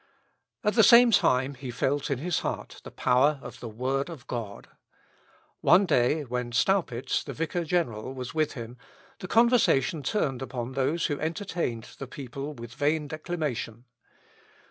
At the same time, he felt in his heart the power of the word of God. One day when Staupitz, the Vicar General, was with him, the conversation turned upon those who entertained the people with vain declamation.